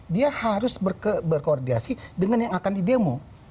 dia harus berkoordinasi dengan yang akan di demo